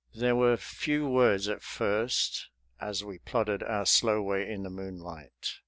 There were few words at first as we plodded our slow way in the moonlight.